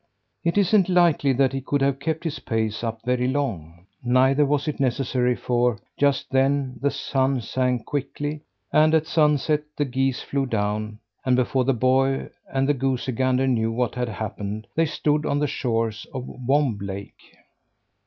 It isn't likely that he could have kept this pace up very long, neither was it necessary; for, just then, the sun sank quickly; and at sunset the geese flew down, and before the boy and the goosey gander knew what had happened, they stood on the shores of Vomb Lake.